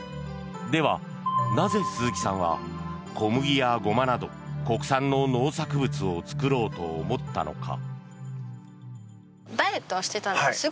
では、なぜ鈴木さんは小麦やゴマなど国産の農作物を作ろうと思ったのか。